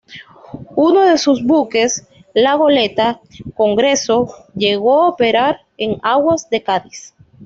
Uno de sus buques, la goleta "Congreso" llegó a operar en aguas de Cádiz.